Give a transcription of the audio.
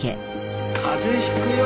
風邪引くよ。